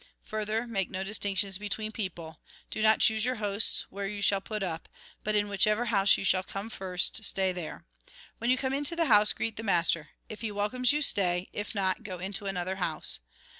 Further, make no distinction between people ; do not choose your hosts, where you shall put up. But in whichever house you shall come first, stay there. When you come into the house, greet the master. If he welcome you, stay ; if not, go into another house.